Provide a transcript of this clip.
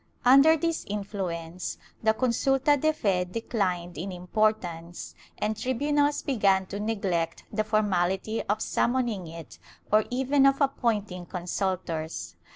Under this influence the consulta de fe decUned in importance, and tribunals began to neglect the formality of summoning it or even of appointing consultors.